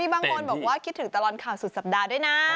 บางคนบอกว่าคิดถึงตลอดข่าวสุดสัปดาห์ด้วยนะ